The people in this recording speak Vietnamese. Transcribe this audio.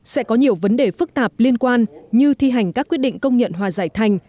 sẽ có nhiều vấn đề phức tạp liên quan như thi hành các quyết định công nhận hòa giải thành